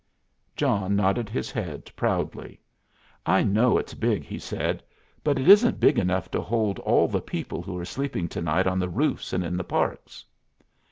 John nodded his head proudly. "I know it's big," he said, "but it isn't big enough to hold all the people who are sleeping to night on the roofs and in the parks."